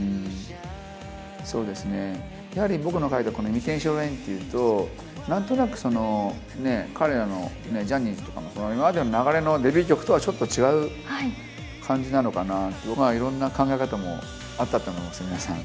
そうですね、やはり僕の書いたこのＩｍｉｔａｔｉｏｎＲａｉｎというと、なんとなくその、彼らのジャニーズとかの、今までの流れのデビュー曲とはちょっと違う感じなのかな、いろんな考え方もあったと思います、皆さん。